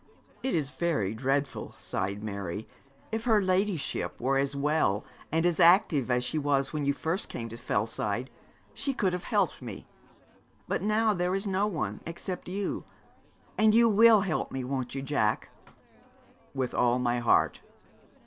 'It is very dreadful,' sighed Mary. 'If her ladyship were as well and as active as she was when first you came to Fellside, she could have helped me; but now there will be no one, except you. And you will help me, won't you Jack?' 'With all my heart.'